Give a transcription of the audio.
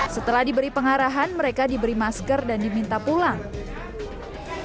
setelah diberi pengarahan mereka diberi masker dan diminta pulang